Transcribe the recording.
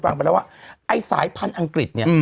ไอ้สายพันธุ์อังกฤษ